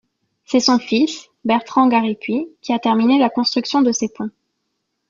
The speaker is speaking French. C'est son fils, Bertrand Garipuy qui a terminé la construction de ces ponts.